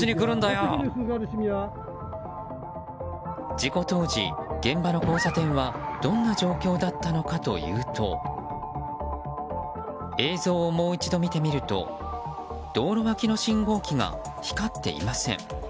事故当時、現場の交差点はどんな状況だったのかというと映像をもう一度見てみると道路脇の信号機が光っていません。